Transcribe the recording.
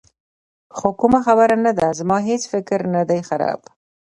خو کومه خبره نه ده، زما هېڅ فکر نه دی خراب.